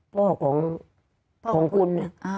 พ่อของคุณ